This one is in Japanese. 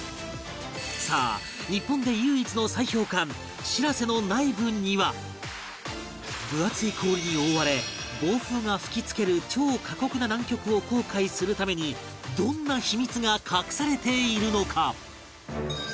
さあ日本で唯一の砕氷艦しらせの内部には分厚い氷に覆われ暴風が吹き付ける超過酷な南極を航海するためにどんな秘密が隠されているのか？